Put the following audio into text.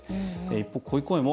一方、こういう声も。